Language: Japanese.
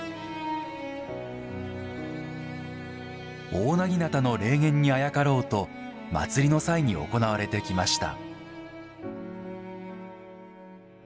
大長刀の霊験にあやかろうと祭りの際に行われてきました。